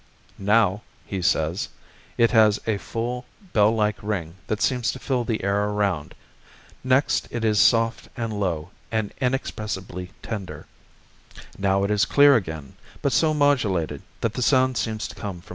"Now," he says, "it has a full, bell like ring that seems to fill the air around; next it is soft and low and inexpressibly tender; now it is clear again, but so modulated that the sound seems to come from a great distance."